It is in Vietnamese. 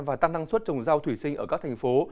và tăng năng suất trồng rau thủy sinh ở các thành phố